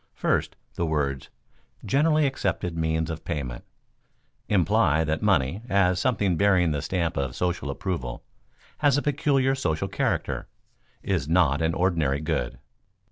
First, the words "generally accepted means of payment" imply that money, as something bearing the stamp of social approval, has a peculiar social character, is not an ordinary good.